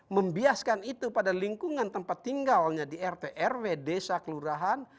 membiaskan itu pada lingkungan tempat tinggalnya di rt rw desa kelurahan